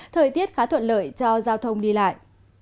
thời tiết khá thuận lợi cho giao thông đi lại